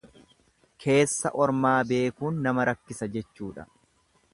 Keessa ormaa beekuun nama rakkisa jechuudha.